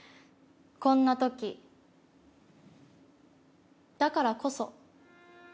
こんなときだからこそ。